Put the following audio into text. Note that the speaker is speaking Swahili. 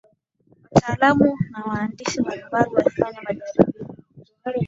wataalamu na wahandisi mbalimbali walifanya majaribio